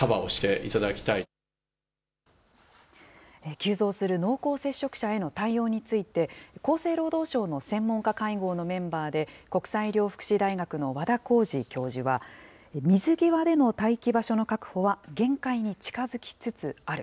急増する濃厚接触者への対応について、厚生労働省の専門家会合のメンバーで、国際医療福祉大学の和田耕治教授は、水際での待機場所の確保は限界に近づきつつある。